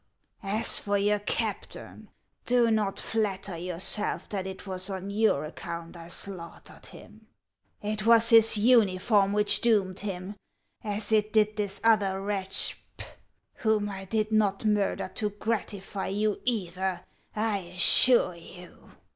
As for your captain, do not flatter yourself that it was on your account I slaughtered him ; it was his uni form which doomed him, as it did this other wretch, whom I did not murder to gratify you either, I assure you."